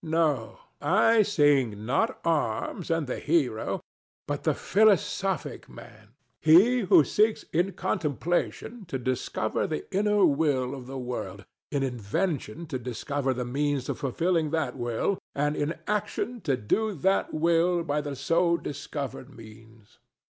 No: I sing, not arms and the hero, but the philosophic man: he who seeks in contemplation to discover the inner will of the world, in invention to discover the means of fulfilling that will, and in action to do that will by the so discovered means.